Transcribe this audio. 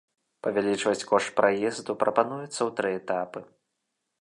Павялічваць кошт праезду прапануецца ў тры этапы.